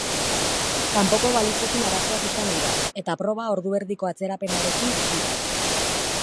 Kanpoko balizekin arazoak izan dira eta proba ordu erdiko atzerapenarekin hasi da.